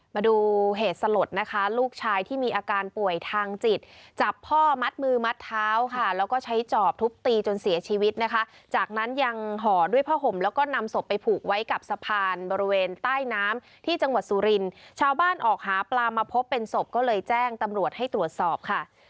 มาดูเหตุสลดนะคะลูกชายที่มีอาการป่วยทางจิตจับพ่อมัดมือมัดเท้าค่ะแล้วก็ใช้จอบทุบตีจนเสียชีวิตนะคะจากนั้นยังห่อด้วยผ้าห่มแล้วก็นำศพไปผูกไว้กับสะพานบริเวณใต้น้ำที่จังหวัดสุรินทร์ชาวบ้านออกหาปลามาพบเป็นศพก็เลยแจ้งตำรวจให้ตรวจสอบค่ะ